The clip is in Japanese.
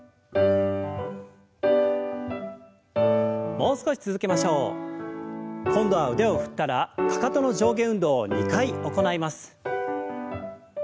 もう少し続けましょう。今度は腕を振ったらかかとの上下運動を２回行います。